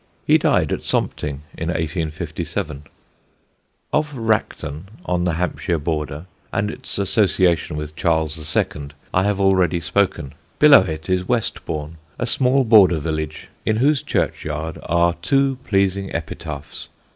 He died at Sompting in 1857. [Sidenote: CHURCHYARD POETRY] Of Racton, on the Hampshire border, and its association with Charles II., I have already spoken. Below, it is Westbourne, a small border village in whose churchyard are two pleasing epitaphs.